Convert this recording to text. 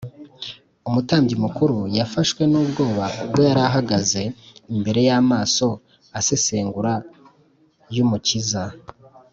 umutambyi mukuru yafashwe n’ubwoba ubwo yari ahagaze imbere y’amaso asesengura y’umukiza